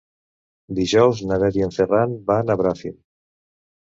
Dijous na Bet i en Ferran van a Bràfim.